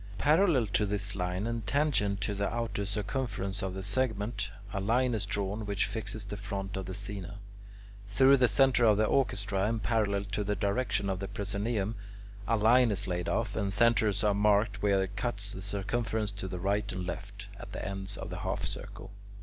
Parallel to this line and tangent to the outer circumference of the segment, a line is drawn which fixes the front of the "scaena" (C D). Through the centre of the orchestra and parallel to the direction of the "proscaenium," a line is laid off, and centres are marked where it cuts the circumference to the right and left (E, F) at the ends of the half circle.